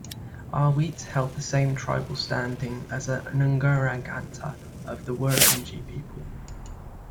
Arweet held the same tribal standing as a ngurungaeta of the Wurundjeri people.